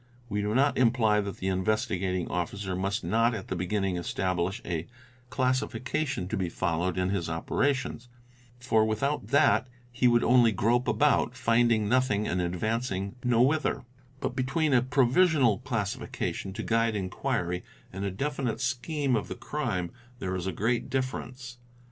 We do not imply that the Investigating Officer must not at the beginning establish a classification to be followed in his operations, for without that he would only grope about, finding nothing and advancing nowhither : but between & provisional classification to guide inquiry and a definite scheme of the crime there is a great difference.